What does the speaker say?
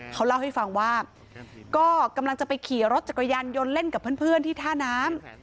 เขาเล่าให้ฟังว่าก็กำลังจะไปขี่รถจักรยานยนต์เล่นกับเพื่อนที่ท่าน้ำ